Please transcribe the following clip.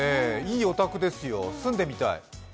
いいお宅ですよ、住んでみたい。